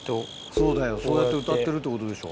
そうやって歌ってるってことでしょ。